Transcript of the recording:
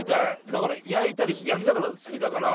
だから焼いたり焼き魚なら好きだから。